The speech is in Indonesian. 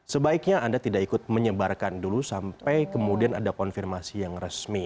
sebaiknya anda tidak ikut menyebarkan dulu sampai kemudian ada konfirmasi yang resmi